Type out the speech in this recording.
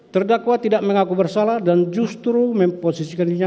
terdakwa tidak mengaku bersalah dan justru memposisikan dirinya